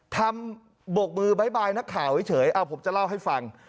ทำบกมือบ๊ายบายนักข่าวเฉยเฉยเอ้าผมจะเล่าให้ฟัง